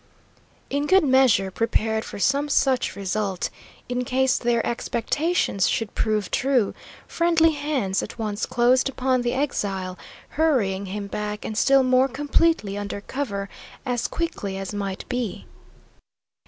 In good measure prepared for some such result, in case their expectations should prove true, friendly hands at once closed upon the exile, hurrying him back, and still more completely under cover, as quickly as might be.